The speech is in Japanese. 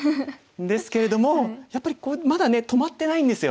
ですけれどもやっぱりまだね止まってないんですよ。